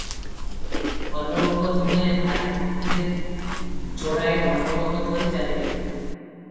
ଭଲଲୋକ ଦୁହେଁ ଭାରି ଭକ୍ତିରେ ଯୋଡ଼ାଏ ଦଣ୍ଡବତ କରି ଚାଲିଗଲେ ।